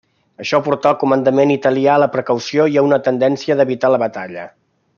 Això portà al comandament italià a la precaució i a una tendència d'evitar la batalla.